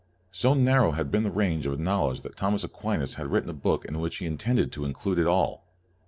So narrow had been the range of knowledge that Thomas Aquinas had written a book in which he intended to include it all!